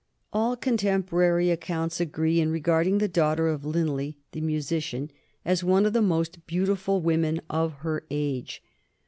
All contemporary accounts agree in regarding the daughter of Linley the musician as one of the most beautiful women of her age.